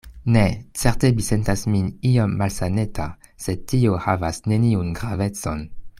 Ne; certe mi sentas min iom malsaneta; sed tio havas neniun gravecon.